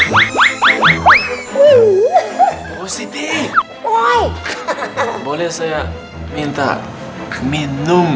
posisi woi boleh saya minta minum